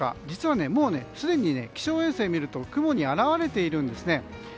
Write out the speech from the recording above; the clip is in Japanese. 実は、もうすでに気象衛星を見ると雲に表れているんですね。